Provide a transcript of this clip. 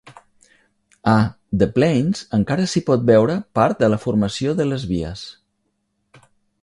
A The Plains encara s'hi pot veure part de la formació de les vies.